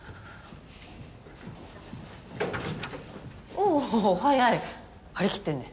おぉ早い張り切ってるね。